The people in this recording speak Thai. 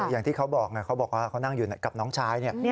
อย่างที่เขาบอกเขาบอกว่าเขานั่งอยู่กับน้องชาย